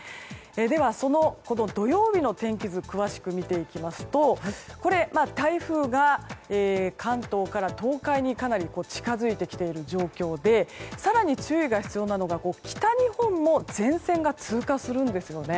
では、その土曜日の天気図を詳しく見ていきますと台風が関東から東海にかなり近づいている状況で更に注意が必要なのが北日本も前線が通過するんです。